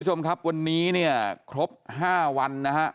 คุณผู้ชมครับวันนี้เนี่ยครบ๕วันนะฮะ